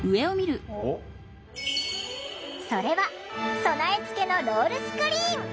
それは備え付けのロールスクリーン。